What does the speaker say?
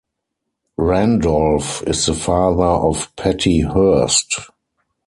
Randolph is the father of Patty Hearst.